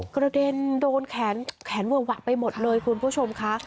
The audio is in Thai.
กระเด็นโดนแขนเวอะหวะไปหมดเลยคุณผู้ชมค่ะ